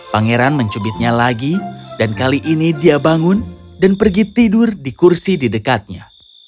pangeran mencubitnya lagi dan kali ini dia bangun dan pergi tidur di kursi di dekatnya